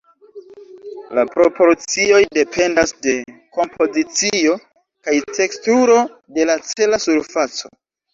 La proporcioj dependas de kompozicio kaj teksturo de la cela surfaco.